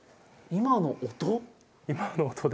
今の音？